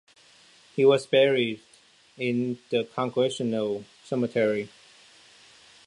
He was buried in the Congressional Cemetery.